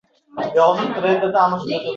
ammo nega u qabul qilingani anglanmaydi.